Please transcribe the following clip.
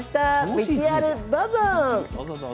ＶＴＲどうぞ！